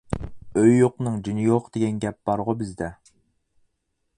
«ئۆيى يوقنىڭ جېنى يوق» دېگەن گەپ بارغۇ بىزدە.